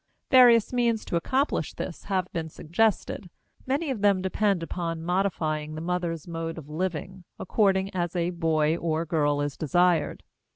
Various means to accomplish this have been suggested; many of them depend upon modifying the mother's mode of living according as a boy or girl is desired.